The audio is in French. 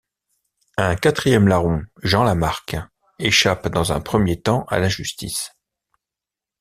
Un quatrième larron, Jean Lamarque, échappe dans un premier temps à la justice.